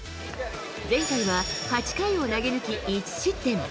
前回は８回を投げ抜き、１失点。